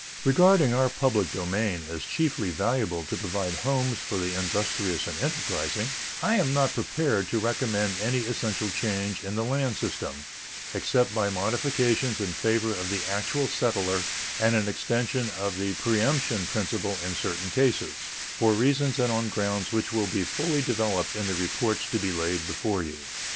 Regarding our public domain as chiefly valuable to provide homes for the industrious and enterprising, I am not prepared to recommend any essential change in the land system, except by modifications in favor of the actual settler and an extension of the preemption principle in certain cases, for reasons and on grounds which will be fully developed in the reports to be laid before you.